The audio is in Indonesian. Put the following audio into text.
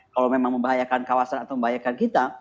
kalau memang membahayakan kawasan atau membahayakan kita